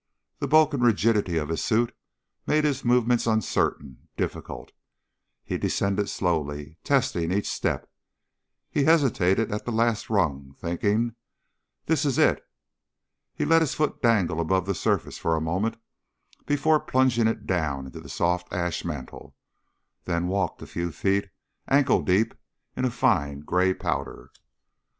The bulk and rigidity of his suit made his movements uncertain, difficult. He descended slowly, testing each step. He hesitated at the last rung, thinking: This is it! He let his foot dangle above the surface for a moment before plunging it down into the soft ash mantle, then walked a few feet, ankle deep in a fine gray powder.